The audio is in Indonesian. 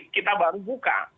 kita baru buka